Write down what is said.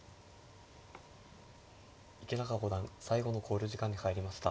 池永五段最後の考慮時間に入りました。